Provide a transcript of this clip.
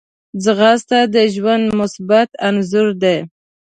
ځغاسته د ژوند مثبت انځور دی